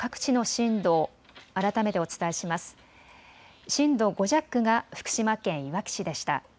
震度５弱が福島県いわき市でした。